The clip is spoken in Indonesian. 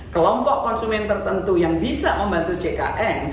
kelompok konsumen tertentu yang bisa membantu jkn